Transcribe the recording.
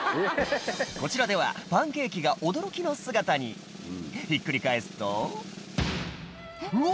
こちらではパンケーキが驚きの姿にひっくり返すとうわ